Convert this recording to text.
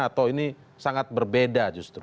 atau ini sangat berbeda justru